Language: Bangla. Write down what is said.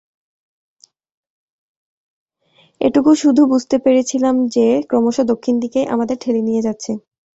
এইটুকু শুধু বুঝতে পেরেছিলাম যে, ক্রমশ দক্ষিণ দিকেই আমাদের ঠেলে নিয়ে যাচ্ছে।